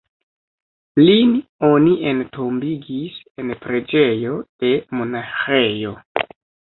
Lin oni entombigis en preĝejo de monaĥejo.